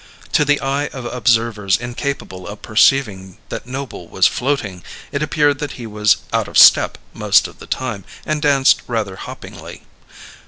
But to the eye of observers incapable of perceiving that Noble was floating, it appeared that he was out of step most of the time, and danced rather hoppingly.